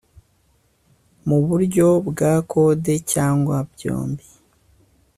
mu buryo bwa kode cyangwa byombi